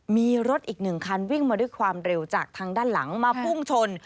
มีรถอีกหนึ่งคันวิ่งมาด้วยความเร็วจากทางด้านหลังมาพุ่งชน